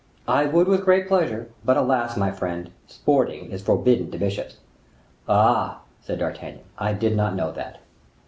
"I would with great pleasure; but, alas! my friend, sporting is forbidden to bishops." "Ah!" said D'Artagnan, "I did not know that."